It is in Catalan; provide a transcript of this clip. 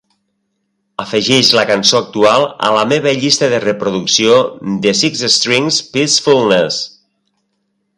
afegeix la cançó actual a la meva llista de reproducció de Six string peacefulness